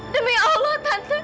demi allah tante